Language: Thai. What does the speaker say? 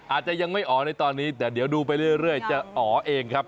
อาจจะยังไม่อ๋อในตอนนี้แต่เดี๋ยวดูไปเรื่อยจะอ๋อเองครับ